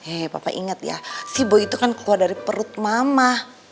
eh papa inget ya si boy itu kan keluar dari perut mama